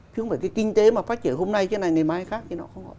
chứ không phải cái kinh tế mà phát triển hôm nay thế này ngày mai khác thế nào